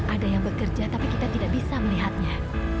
ada yang bekerja tapi kita tidak bisa melihatnya